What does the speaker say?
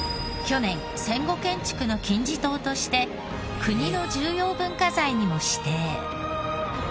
去年戦後建築の金字塔として国の重要文化財にも指定。